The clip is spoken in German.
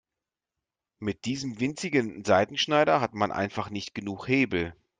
Mit diesem winzigen Seitenschneider hat man einfach nicht genug Hebel.